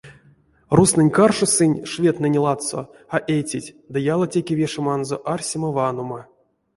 Рузтнэнь каршо сынь, шведтнэнь ладсо, а эцить, ды ялатеке вешеманзо арсема-ваннома.